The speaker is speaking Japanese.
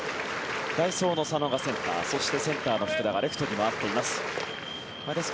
代走の佐野がセンターそしてセンターの福田がレフトに回っています。